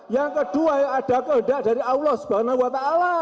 yang kedua yang ada kehendak dari allah swt